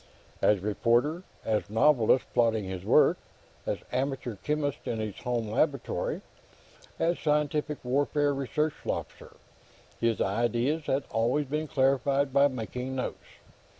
As reporter, as novelist plotting his work, as amateur chemist in his home laboratory, as scientific warfare research officer, his ideas had always been clarified by making notes.